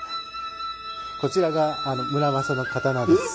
こちらが村正の刀です。